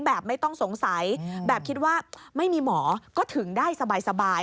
แบบไม่ต้องสงสัยแบบคิดว่าไม่มีหมอก็ถึงได้สบาย